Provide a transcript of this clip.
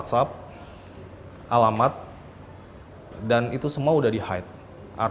tetapi alamat itu tetap harus jelas